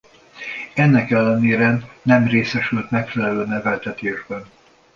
Ennek ellenére nem részesült megfelelő neveltetésben.